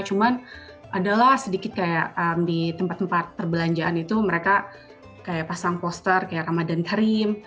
cuman adalah sedikit kayak di tempat tempat perbelanjaan itu mereka kayak pasang poster kayak ramadan terim